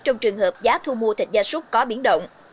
trong trường hợp giá thu mua thịt gia súc có biến động